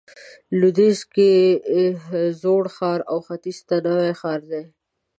لویدیځ کې زوړ ښار او ختیځ ته نوی ښار دی.